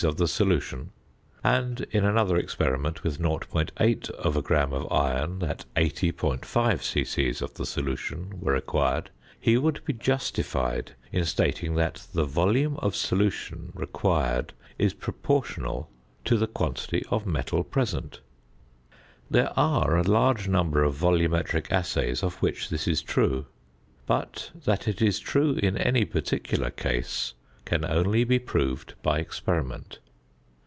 of the solution, and in another experiment with 0.8 gram of iron that 80.5 c.c. of the solution were required, he would be justified in stating that the volume of solution required is proportional to the quantity of metal present. There are a large number of volumetric assays of which this is true, but that it is true in any particular case can only be proved by experiment.